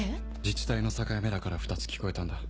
自治体の境目だから２つ聴こえたんだ。